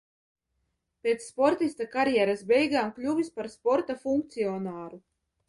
Pēc sportista karjeras beigām kļuvis par sporta funkcionāru.